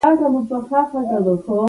بوټونه د ماشومانو مینه وي.